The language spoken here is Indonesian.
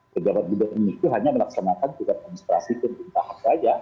kejabat gubernur itu hanya melaksanakan juga administrasi penting tahap saja